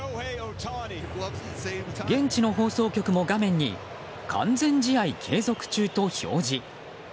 現地の放送局も画面に完全試合継続中と表示。